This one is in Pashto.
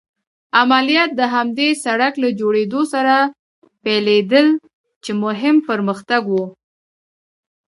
عملیات د همدې سړک له جوړېدو سره پيلېدل چې مهم پرمختګ و.